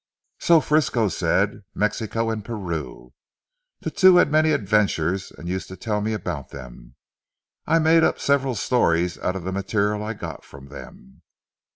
"So Frisco said; Mexico and Peru. The two had many adventures and used to tell me about them. I made up several stories out of the material I got from them."